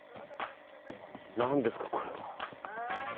何ですか、これは。